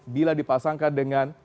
bila dipasangkan dengan